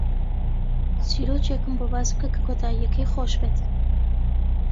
چیرۆکێکم بۆ باس بکە کە کۆتایییەکەی خۆش بێت.